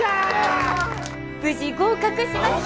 無事合格しました！